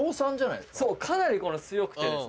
そうかなりこれ強くて。